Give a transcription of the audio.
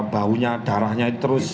baunya darahnya itu terus